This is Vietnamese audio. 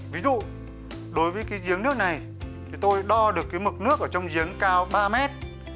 ví dụ đối với cái giếng nước này thì tôi đo được cái mực nước ở trong giếng cao ba mét